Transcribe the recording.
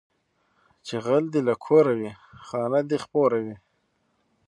چې غل دې له کوره وي، خانه دې خپوره وي